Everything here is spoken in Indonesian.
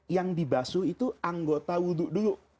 yang dibasu itu anggota wudhu dulu